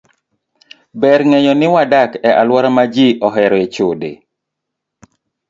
Ber ng'eyo ni wadak e alwora ma ji oheroe chode.